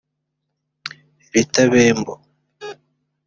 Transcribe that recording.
Lita Bembo